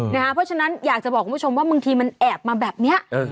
เพราะฉะนั้นอยากจะบอกคุณผู้ชมว่าบางทีมันแอบมาแบบนี้